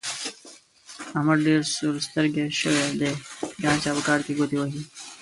احمد ډېر سور سترګی شوی دی؛ د هر چا په کار کې ګوتې وهي.